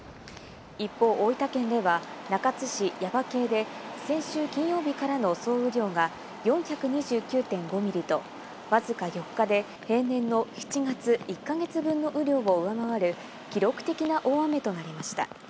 一方、大分県では中津市耶馬渓で先週金曜日からの総雨量が４２９．５ミリとわずか４日で平年の７月１か月分の雨量を上回る記録的な大雨となりました。